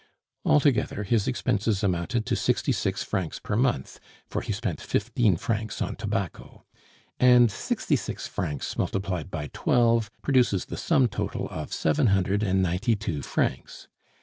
Altogether, his expenses amounted to sixty six francs per month (for he spent fifteen francs on tobacco), and sixty six francs multiplied by twelve produces the sum total of seven hundred and ninety two francs.